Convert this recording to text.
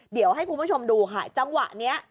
เดี๋ยวให้คุณผู้ชมดูค่ะจังหวะนี้